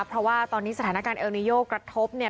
เพราะว่าตอนนี้สถานการณ์เอลนิโยกระทบเนี่ย